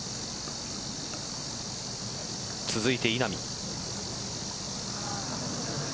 続いて稲見。